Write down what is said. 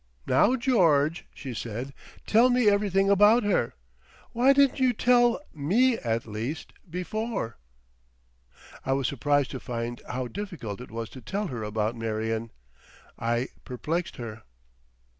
"Now, George," she said, "tell me everything about her. Why didn't you tell—ME at least—before?" I was surprised to find how difficult it was to tell her about Marion. I perplexed her.